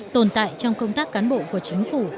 tồn tại trong công tác cán bộ của chính phủ